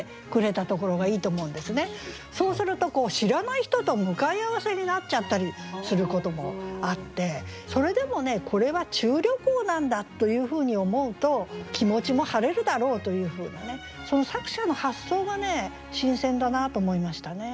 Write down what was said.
そうすると知らない人と向かい合わせになっちゃったりすることもあってそれでもこれは中旅行なんだというふうに思うと気持ちも晴れるだろうというふうなその作者の発想が新鮮だなと思いましたね。